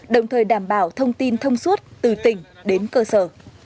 đồng thời đảm bảo thông tin thông suốt từ tỉnh đến cơ sở